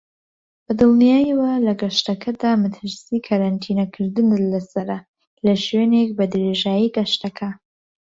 بەدڵنیاییەوە لە گەشتەکەتدا مەترسی کەرەنتینە کردنت لەسەرە لەشوێنێک بەدرێژایی گەشتەکە.